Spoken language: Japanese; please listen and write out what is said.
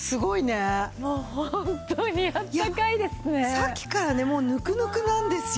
さっきからねもうぬくぬくなんですよ。